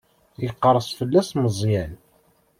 Iqerres fell-as Meẓyan.